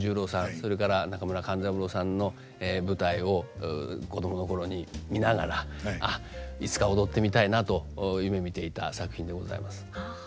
それから中村勘三郎さんの舞台を子供の頃に見ながら「あっいつか踊ってみたいな」と夢みていた作品でございます。